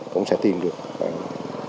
cũng sẽ tìm được các nạn nhân còn lại